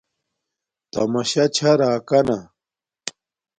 تماشا چھا راکانا